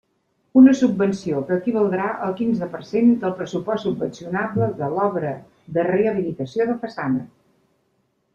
Una subvenció que equivaldrà al quinze per cent del pressupost subvencionable de l'obra de rehabilitació de façana.